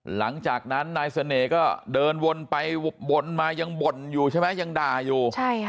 หลังจากนั้นนายเสน่ห์ก็เดินวนไปวนมายังบ่นอยู่ใช่ไหมยังด่าอยู่